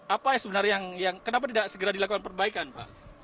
apa sebenarnya yang kenapa tidak segera dilakukan perbaikan pak